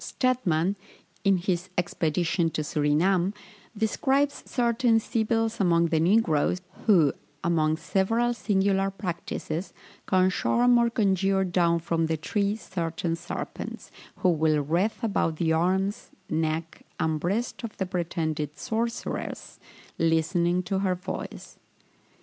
Stedman, in his Expedition to Surinam, describes certain sibyls among the negroes, who, among several singular practices, can charm or conjure down from the tree certain serpents, who will wreath about the arms, neck, and breast of the pretended sorceress, listening to her voice.